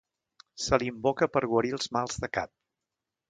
Se l'invoca per guarir els mals de cap.